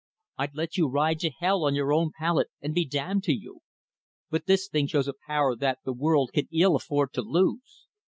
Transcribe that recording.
I'd let you ride to hell on your own palette, and be damned to you. But this thing shows a power that the world can ill afford to lose.